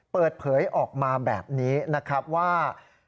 เปิดเผยออกมาแบบนี้นะครับว่า